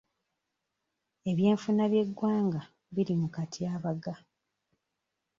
Ebyenfuna by'eggwanga biri mu katyabaga.